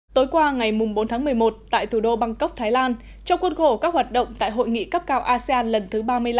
tối qua ngày bốn tháng một mươi một tại thủ đô bangkok thái lan trong quân khổ các hoạt động tại hội nghị cấp cao asean lần thứ ba mươi năm